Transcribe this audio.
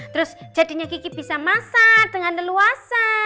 terus jadinya gigi bisa masak dengan leluasa